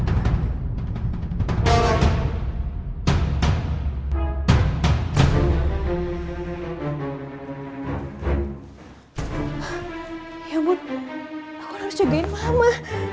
ya ampun aku harus jagain mama